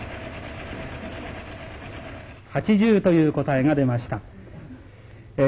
８０という答えが出ました。